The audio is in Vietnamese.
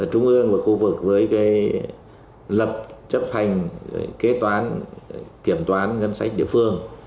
trung ương và khu vực với lập chấp hành kế toán kiểm toán ngân sách địa phương